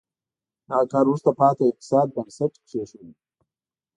دغه کار وروسته پاتې اقتصاد بنسټ کېښود.